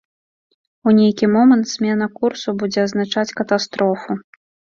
У нейкі момант змена курсу будзе азначаць катастрофу.